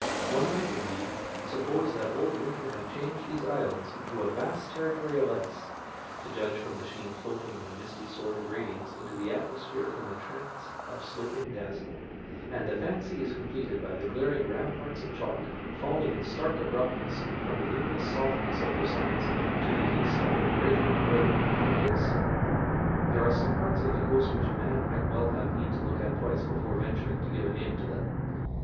One might, indeed, suppose that old winter had changed these islands into a vast terri tory of ice, to judge from the sheen floating in a misty sort of radiance into the atmosphere from the tracts of sloping dazzle ; and the fancy is completed by the glaring ramparts of chalk falling in stark abruptness from the luminous softness on their summits to the yeast of the breaker boiling at their base. There are some parts of the coast which a man might well have need to look at twice before venturing to give a name to them.